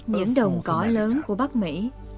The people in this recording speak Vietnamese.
những đồng cỏ lớn của bắc mỹ